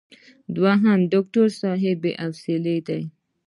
دوهم: ډاکټر صاحب بې حوصلې دی.